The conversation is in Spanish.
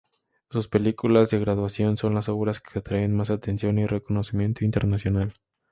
Sus películas de graduación son las obras que atraen más atención y reconocimiento internacional.